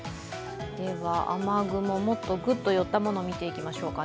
雨雲もっとぐっと寄ったものを診ていきましょうか。